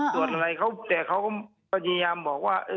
ตรวจอะไรเขาแต่เขาก็พยายามบอกว่า